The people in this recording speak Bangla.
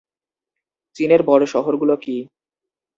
চীনের বড় শহরগুলো কি?